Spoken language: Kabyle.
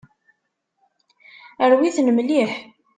Rwi-ten mliḥ.